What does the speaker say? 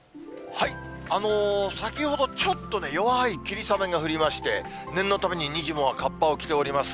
先ほど、ちょっとね、弱い霧雨が降りまして、念のためににじモはかっぱを着ております。